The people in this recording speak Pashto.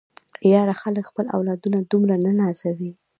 ياره خلک خپل اولاد دومره نه نازوي.